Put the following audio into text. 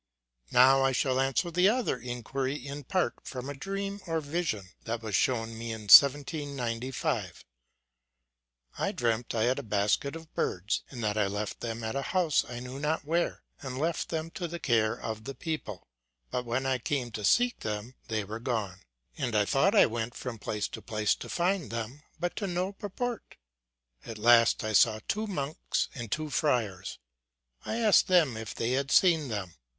Now 1 shall answer the other inquiry in part, from 2 dream or vision that was shewn me in 179>r>. I dreamt I had a basket of birds, and that I left them at a house I knew not where, and left them to the care of the people ; but when I came to seek them, they were gone. I thought I went from place to place ( '43 ) place to find them; but to no purpose. At last I saw two monks and two friars ; I asked them if they had seen them.